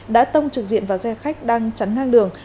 đã tông trực diện vào xe khách đang chắn ngang đường